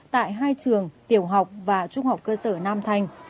tại hai trường tiểu học và trung học cơ sở nam thành